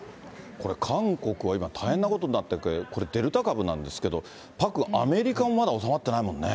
これ、韓国は今、大変なことになってて、これ、デルタ株なんですけど、パックン、アメリカもまだ収まってないもんね。